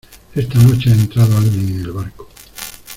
esta noche ha entrado alguien en el barco.